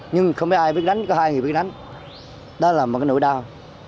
nhưng không biết ai biết đánh có hai người biết đánh đó là một cái nỗi đau